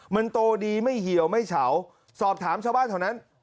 มันโตดีไม่เหี่ยวไม่เฉาสอบถามชาวบ้านเท่านั้น